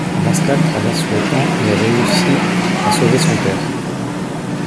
Rascal traverse le temps et réussit à sauver son père.